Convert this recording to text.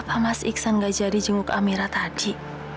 apa mas iksan nggak jadi jenguk amira tadi